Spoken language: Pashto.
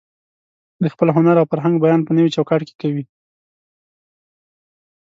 د خپل هنر او فرهنګ بیان په نوي چوکاټ کې کوي.